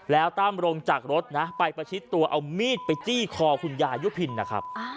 แล้วตั้มลงจากรถนะไปประชิดตัวเอามีดไปจี้คอคุณยายุพินนะครับ